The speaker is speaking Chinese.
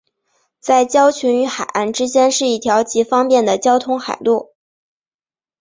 在礁群与海岸之间是一条极方便的交通海路。